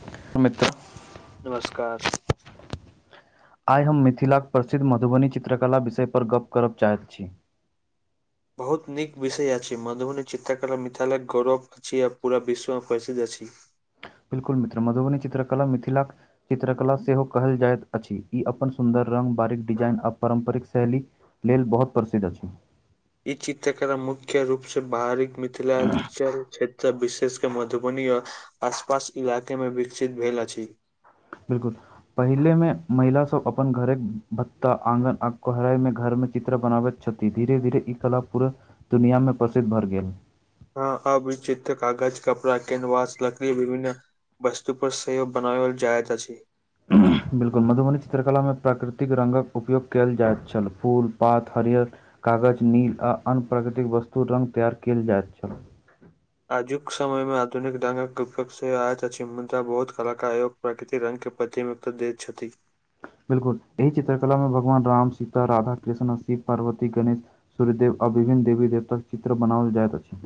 [unintelligible] नमस्कार आइ हम मिथिलाक प्रसिद्ध मधुबनी चित्रकला विषय पर गप करब चाहैत छी बहुत नीक विषय अछि मधुबनी चित्रकला मिथिला केँ गौरव छी आ पूरा विश्वमे प्रसिद्ध अछि बिल्कुल मित्र मधुबनी चित्रकला मिथिलाक चित्रकला सेहो कहल जाइत अछि ई अपन सुन्दर रंग बारिक डिजाइन आ पारम्परिक शैली लेल बहुत प्रसिद्ध अछि ई चित्रक मुख्य रूप से बाहरी मिथिला चारु क्षेत्र विशेष के मधुबनी आ आस पास इलाके में विकसित भेल अछि बिल्कुल पहिल मे महिला सब अपन घरे भत्त आँगन आ कोहराई मे घरमे चित्र बनाबैत छथि। धीरे धीरे इ कला पूरा दुनिया मे प्रसिद्ध भर गेल। ह अवचित्र कागज कपड़ा कनवास लकड़ी विभिन्न वस्तु पर से हो बनाव जायत अछि बिल्कुल मधुबनी चित्रकलामे प्राकृतिक रंग उपयोग कयल जाइत छल फूल पात हरियर कागज नील आ अन्य प्राकृतिक वस्तु रंग तैयार कयल जाइत छल। आजुक समयमे आधुनिक दांगक [unintelligible] प्रकृतिक रंग के प्रति मुक्त देय छथि। बिल्कुल एहि चित्रकला मे भगवान राम, सीता, राधा कृष्णा शव पार्वती, गणेश सूर्यदेव आ विभन्न देवी देवताक चित्र बनाओल जाइत अछि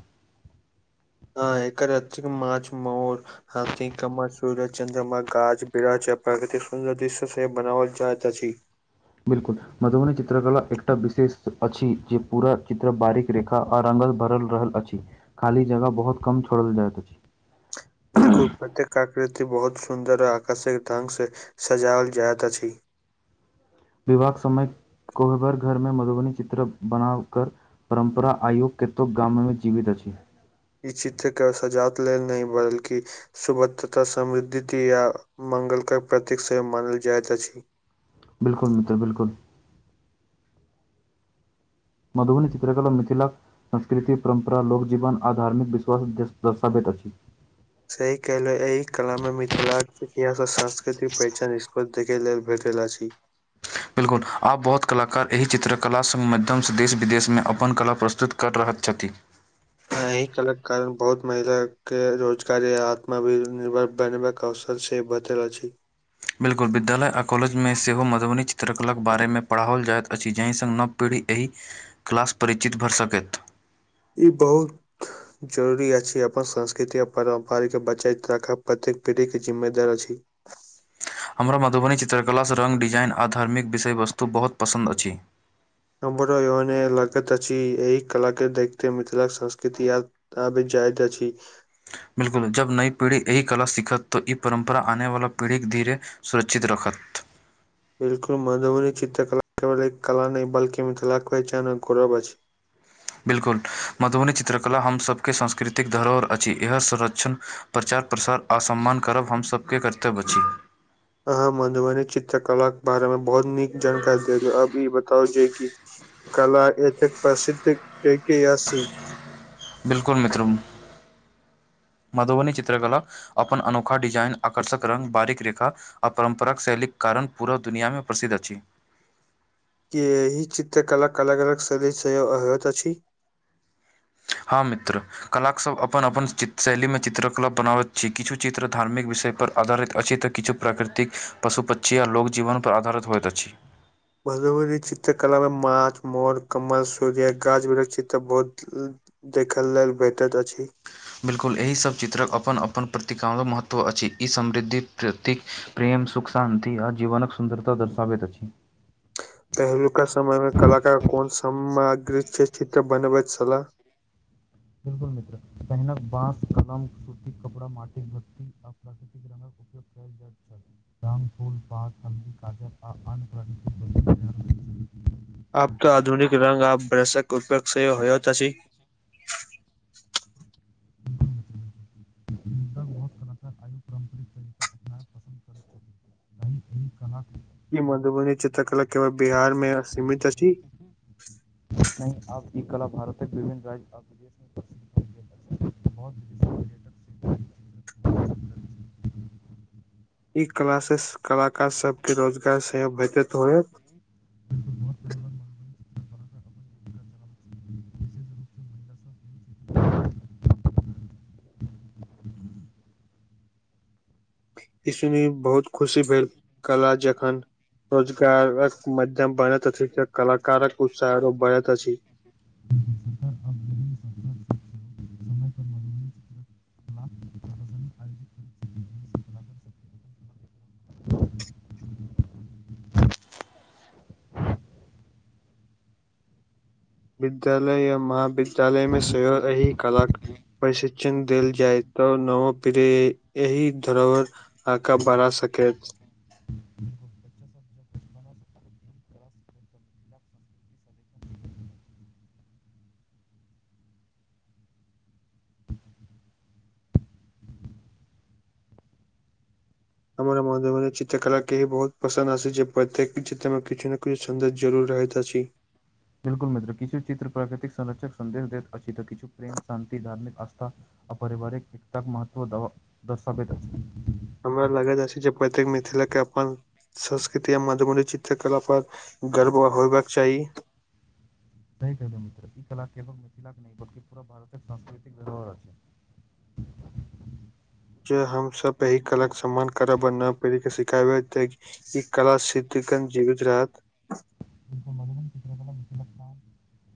हँ एकर अक्षिक माछ मोर हाथी कम सूर्य चन्द्र गाछ बिराक्ष प्रकृतिक सुन्दर दृश्य से बनाबल चाहत अछि। बिल्कुल मधुबनी चित्रकला एकटा विशेष अछि जे पूरा चित्र बारीक रेखा आ रंगल भरल रहल अछि। खाली जगह बहुत कम छोड़ल जाइत अछि। बिल्कुल प्रत्यका कृति बहुत सुंन्दर आ आकर्शक ढंग से सजाओल जाइत अछि। विवाह समय कोहबर घरमे मधुबनी चित्र बना कर परम्परा आयु कतुक गाममे जीवित अछि। ई चित्रके सजात लेल नहि बलकि सुभध तथा समृद्धि या मंगलके प्रतीक सेहो मानल जाइत अछि। बिल्कुल मित्र बिल्कुल मधुबनी चित्रकल मिथिला संस्कृति परम्परा लोकगजीवन आ धार्मिक विश्वास द दर्शाबैत अछि। सही कला एहि कला मे मिथिलाक के इतिहास आ सांस्कृति पहिचान [unintelligible] देखे लेल भेटेल छी। बिल्कुल आब बहुत कलाकार एहि चित्रकलास माध्यमसँ देश विदेशमे अपन कला प्रस्तुत कर रहल छथि। एहि कल के कारण बहुत महिला के रोजगार या आत्म भनिर्भर बनेबाक आवश्यक से बचल अछि। बिल्कुल विद्यालय आओ कॉलेजमे सेहो मधुबनी चित्रकलाके बारेमे पढ़ाओल जाइत अछि जाहि संग नव पीढ़ी एहि क्लास परिचित भऽ सकैत। इ बहुथ जरूरी अछि अपन संस्कृति आ परारम्परिके बचाय राखब प्रत्येक पीढ़ीके जिम्मेदार अछि। हमरो मधुबनी चित्रकलासँ रंग डिजाइन आ धार्मिक विषय वस्तु बहुत पसन्द अछि। हम्बरो योने लगैत अछि एहि कलाक के देखत मिथिलाक संस्कृति याद त अबी जाइत अछी। बिल्कुल जब नई पीढ़ी यह कला सिखत त इ परम्परा आने वाला पीढ़ीक धीरे सुरक्षित रखत। बिल्कुल मधवनी चित्रकला केवल एक कला नै बलकि मिथिलक वहचानक गौरब अछि। बिल्कुल मधुबनी चित्रकला हमसबके सांस्कृतिक धरोहर अछि इह संरक्षण प्रचार प्रसार आ सम्मान करब हमसबके कर्तव्य अछि। आहाँ मधुबनी चित्रकला के बारे मे बहुत नीक जानकारी दे देव आब इ बताउ जे की कला एतेक प्रसिद्ध यै कि एसी बिल्कुल मित्र मधुबनी चित्रकला अपन अनोखा डिजाइन आकर्षक रंग बारिक रेखा आ परम्पराक शैलीक कारण पूरा दुनिआमे प्रसिद्ध अछि। के एहि चित्र कलाक कलग अलग शैली से होयत अछि। हँ मित्र कलाक सब अपन अपन शैलीमे चित्रकला बनाबैत छी किछु चित्र धार्मिक विषय पर आधारित अछि तऽ किछु प्राकृतिक पशु पक्षी आ लोकजीवनपर आधारित होइत अछि मधुबनी चित्रकलामे माँछ मोर कमल सूर्य गाछ विरिक्षित तऽ बहुत देखल लेल भेटत अछि। बिल्कुल एहि सब चित्रक अपन अपन प्रतिक महत्व अछि इ समृद्धि प्रतीक प्रेम सुख शान्ति आ जीवनक सुन्दरता दर्शाबैत अछि। पहिलुका समयमे कलाकार कोन सामग्री चित्र बनबैत छलाह [inaudible] बिलकुल मित्र पहिनकक बाँस कलम सूती कपड़ा माटिक धतती आ प्राकृतिक रक जा [inaudible] रङ् फूल पात हल्दी काजर आ आन्य प्राकृतिक वस्तु आब त आधुनिक रंग आभ्रषक उपेक्ष होयत अछि बिल्कुल। बहुत कला [inaudible] र आयु पारम्परिक त। के क। [unintelligible] ई मधुबनी चित्रकला केवल बिहार मे सीमित अछि नहि आब ई कला भारतके विभिन्न राज्य आ देश मे प्रसद्ध हो है बहुत [inaudible] ब ई कला से कलाकार सब के रोजगार सेहो भेटत होइत बहुत परिवार मधुबनी चित्रकला पर अपन जीविका चलाबैत छथि, विशेष रूप सँ महिला सभ। एहि क्षेत्र ई सुनि बहुत खुशी भेल कला जखन रोजगारक मध्यम बनैतथ से कलाकारक उत्साह बनैत अछि [inaudible] समय पर मधुबनी चित्रकलाक प्रदर्शनी आयोजित करैत छथि, जाहि सँ कलाकार सभ के अपन कला विद्यालय य महाविद्यालयमे सेहो अहि कला के प्रशिक्षण देल जाइ तऽ नव पीढ़ी एहि धरोबर आका बड़ा सकेत हमर मधुबनी चित्रकला के बहुत पसन्द अस जे प्रत्येक चित्रमे किछु ने किछु सौन्दर्य जरूर रहैत अछि बिलकुल मित्र किछु चित्र प्राकृतिक संरक्षक सन्देश दैत अछिच तऽ किछु प्रेम शान्ति धार्मिक आस्था अपारिवारिक एकताक महत्व दर्शाबैत अछि हमरा लगैत अछि जे प्रतेक मिथिलाके अपन संस्कृति आ मधुबनी चित्रकला पर गर्व होयबाक चाही [unintelligible] ई कला केवल मिथिलाके नहि बलि पूरा भारत सांस्कृतिक व्यवहार छै जे हमसब एहि कला के सम्मान करब आ नव पीढ़ीक के सिखाबेतऽ ई कला सिद्धिकन जीवित रहत [unintelligible] लगन चित्रकलाख लगता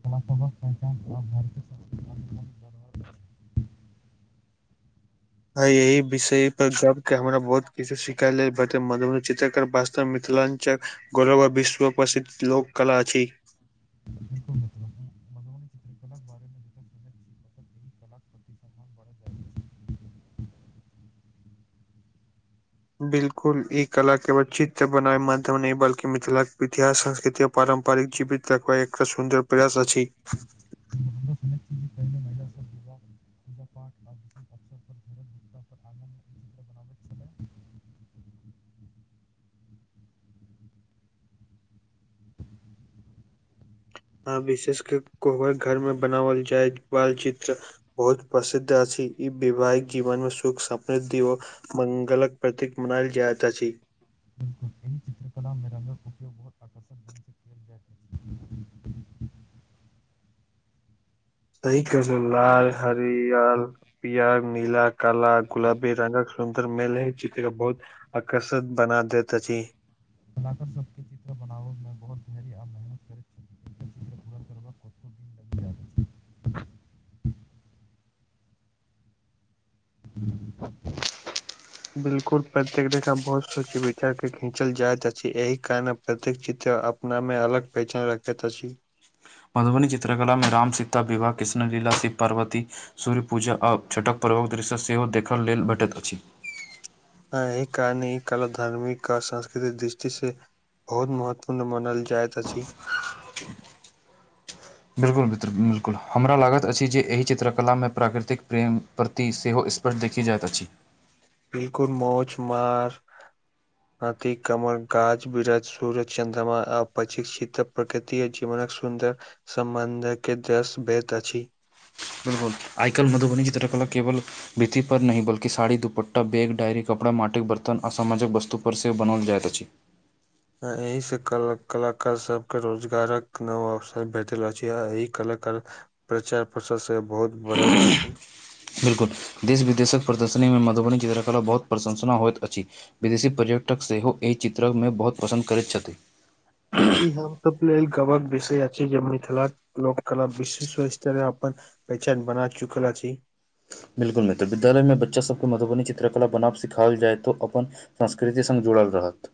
बलाक पहचान आ भारतीय संस्कृतिक अनमोल धरोहर अछि। अय विषय पर गप के हमरा बहुत किछु सिखैलेल भेटत मधुबनी चित्रकलऽ मिथिलाञ्चक गौरव विश्व प्रसिद्ध लोक कला छी बिल्कुल मित्र, मधुबनी चित्रकलाक बारेमे जतेक सुनैत छी ओतेक एहि कलाक प्रति सम्मान बढ़ैत जाइत अछि। बिल्कुल ई कला केवल चित्र बनाबै माध्यम नहि बल्कि मिथिलाक इतिहास संस्कृति पारम्परिक जीवित देखबै एकटा सुन्दर प्रयास अछि [unintelligible] पूज पाठ आ विष अवसर पर आन बनाबैत छल [inaudible] आ विशेष के कोबर घर में बनाओल जाय बालचित्र बहुत प्रसिद्ध अछि ई वैवाहिक जीवन मे सुख समृद्धि मंगलक प्रतीक मनायल जायत अछी बिलकुल एहि चित्रकला मेरङ्गर उपयोग बहुत आकर्षक ढंग से कयल जात [inaudible] तै [inaudible] क ए लाल हरियल पियर नीला काला गुलाबी रंगक सुन्दर मेल हइ छै बहुत आकर्षक बना दैत अछि कलाकर सबके चित्र बनाबै मे बहुत धैर्य आ मेहनत करैत छल करब कत दिन लग [inaudible] बिलकुल प्रत्येक रेखा बहुत सोची विचार के विचार जाइत छै एहि कारण प्रत्येक चित्र अपना मे अलग पहचान रखैत अछि। मधुबनी चित्रकला मे राम सीता विवाह कृष्ण लीला शिव पार्वती सूर्य पूजा आ छठक पर्व दृश्य सेहो देखय लेल भेटैत अछि। [unintelligible] कला धार्मिक आर सांस्कृतिक दृष्टि से बहुत महत्वपूर्ण मानल जायत अछि। बिल्कुल मित्र बिल्कुल हमरा लागैत अछि जे एहि चित्रकलामे प्राकृतिक प्रेम। प्रति सेहो इसपर देखी जाइत अछि बिल्कुल मौछ मार [inaudible] हाथी कमर गाछ विरक्ष सूरज चन्द्रमा आ पशिक्षितक प्रकृति जीवनक सुन्दर संमंनधक के जस बेत अछि बिल्कुल आइ काल मधुबनी [unintelligible] केवल बिथि पर नहि बल्कि साड़ी दुपट्टा बैग डायरी कपड़ा माटिक बर्तन असामाजिक वस्तु पर सेहो बनाओल जाइत अछि एहिसँ क कलाकार सबके रोजगारक नव अवसर भेटल अछि आ एहि कलाकार प्रचार प्रसार से बहुत भरल अछि बिल्कुल देश विदेशक प्रदर्शनीमे मधुबनी चित्रकला बहुत प्रशंसना होइत अछि विदेशी पर्यटक सेहो एहि चित्रमे बहुत पसन्द करैत छथि ई हम कम्प लेल गवक विषय अछि जे मिथिला लोक कला विश्व स्तरय अपन पेहचान बना चुकल अछि बिल्कुल मित्र विद्यालय मे बच्चा सबके मधुबनी चित्रकला बनाब सिखायल जाय तऽ अपन संस्कृति संग जुड़ल रहत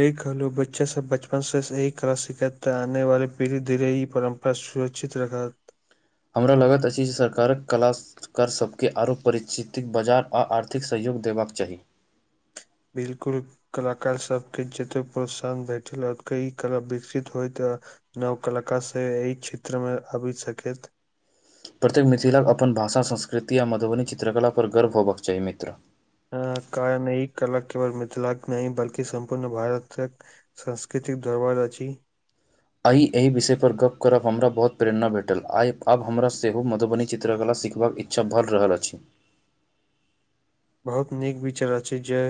एहि कहलू बच्चा सब बचपन से सहि करब सिखैबता आने वाले पीढ़ी धीरे ई परम बस सुरक्षित रखत हमरा लगैत अछि जे सरकारक कलास सरकार सभके आरो परिचितिक बाजार आ आर्थिक सहयोग देबाक चाही बिल्कुल कलाकार सबके जतेक प्रोत्साहन भेटल [unintelligible] ई कला विकसित होइत नव कलाका से एहि क्षेत्र मे आबि सकैत प्रत्येक मिथिला अपन भाषा संस्कृति आ मधुबनी चित्रकलापर गर्व होयबाक चाही मित्र कारण एहि कलकट केवल मिथिलाक नहि बल्कि सम्पूर्ण भारतक। संस्कृतिक दरबार अछि आइ एहि विषय पर गप्प करब हमरा बहुत प्रेरणा भेटल आइ आब हमरा सेहो मधुबनी चित्रकला सिखबाक ए छ भर रहल अछि बहुत नीक विचर अछि जे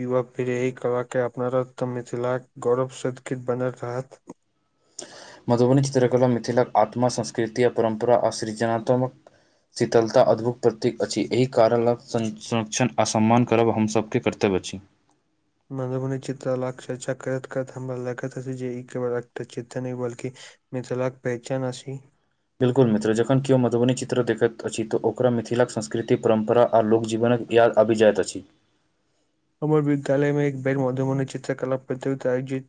युवा पीढ़ी एहि कला के अपनावत त मिथिलाक गौरव सदखित बनल रहत मधुबनी चित्रकला मिथिलाक आत्मा संस्कृति आ परम्परा आ सृजनात्मक शीतलता अद्भुत प्रतीक अछि एहि कारण लग सं संरक्षण आ सम्मान करब हमसब के प्रति त बची। मधुबनी चित्रला चर्चा करैत करैत हमरा लखैत अछि जे ई केवल एकटा चित्र नय बल्कि मिथिलाक पेहचान अछि बिल्कुल मित्र जखन किओ मधुबनी चित्र देखैत अछि तअ ओकरा मिथिलाक संस्कृति परम्परा आ लोक जीवनक याद आबि जाइत अछि हमर विद्यालय मे एक बेग मधुबनी चित्रकला प्रतियोगिता आयोजित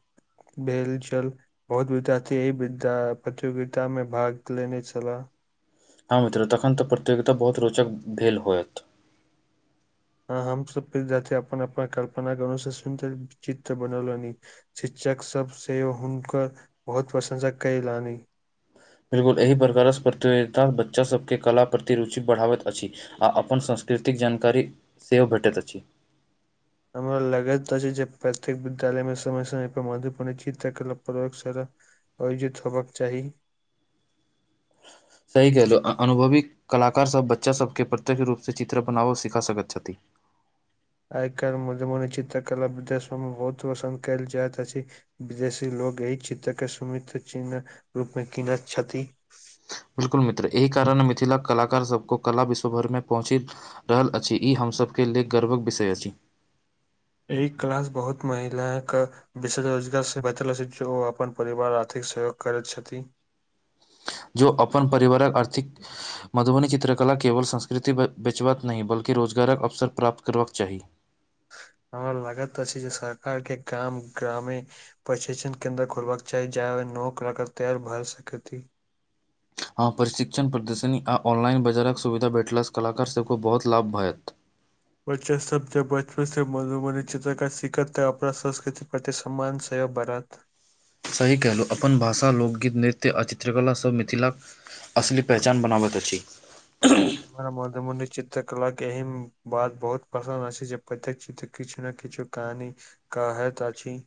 भेल छल बहुत विद्यार्थी अहि विद्या प्रतियोगिता मे भाग लेने छला हँ मित्र तखन त प्रतियोगिता बहुत रोचक भेल होयत हाँ हम सब विद्यार्थी अपन अपन कल्पना के अनुसा सुंदर चित्र बनल लोनी शिक्षक सब से हुनकर बहुत प्रशंसक कैलनी बिलकुल एहि पर [unintelligible] प्रकारक प्रतियोगिता बच्चा सबके कला प्रति रुचि बढ़ाबैत अछि आ अपन सांस्कृतिक जानकारी सेहो भेटैत अछि। हमरा लगैत अछि जे प्रत्येक विद्यालय मे समय समय पर मह्वपूर्ण चित्रकला प्रयोगशाला। अयोजित होबक चाही सही कहलहुँ अनुभवी कलाकारसभ बच्चासभके प्रत्यक्ष रूपसँ चित्र बनाबऽ सिखा सकैत छथि। आइ काल मधुबनी चित्रकला सबमे [unintelligible] कैल जाइत अछि विदेशी लोक एहि चित्रके सुमित चिन्हकँ रूपमे कीनैत छथि ' बिलकुल मित्र एहि कारण मिथिलाक कलाकार सब को कला विश्व भर मे पहुँची। रहल अछि ई हमसभ के लेल गर्वक विषय अछि एहि क्लास बहुत महिलाक विशेष रोजगार से बचला छै जे ओ अपन परिवार आर्थिक सहयोग करैत छथि‌ जो अपन परिवारक आर्थिक मधुबनी चित्रकला केवल संस्कृति बैचबाक नहि बल्कि रोजगारक अवसर प्राप्त करबाक चाही हमरा लागत अछि जे सरकार के काम गाममे प्रशिक्षण केन्द्र खोलबाक चाही [unintelligible] हँ प्रशिक्षण प्रदर्शनी आ ऑनलाइन बजारक सुविधा भेटलासँ कलाकारसभके बहुत लाभ भाइत बच्चा सब जब बचपन से मधुबनी चित्रकार सिखत तै अपना संस्कृति पर सम्मान सेहो बरहत। सही कहलहुँ अपन भाषा लोकगीत नृत्य आ चित्रकलासभ मिथिलाक असली पहचान बनाबैत अछि हमरा मधुमनी चित्रकला के एहन बात बहुत पसंद अछि जे प्रत्येक चित्र किछु ने किछो कहानी कहैत अछि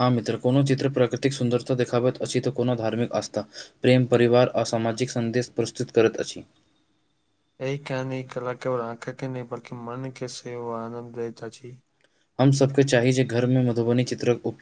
हँ मित्र कोनो चित्र प्रकृतिक सुन्दरता देखाबत अछि तऽ कोनो धार्मिक आस्था प्रेम परिवार असामाजिक सन्देश प्रस्तुत करैत अछि एहि कहानी कला केवल आँख के नहि बल्कि मन के सेहो आनन्द देत अछि। हम सभके चाही जे घरमे मधुबनी चित्रक उपयोग